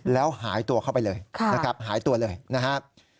แล้วหายตัวเข้าไปเลยนะครับหายตัวเลยนะครับ